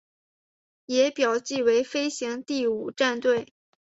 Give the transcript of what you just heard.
也表记为飞行第五战队。